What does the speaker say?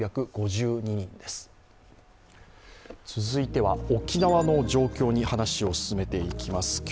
続いては、沖縄の状況に話を進めていきます。